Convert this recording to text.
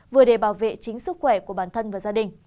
vừa để bảo vệ chính sức khỏe của bản thân và gia đình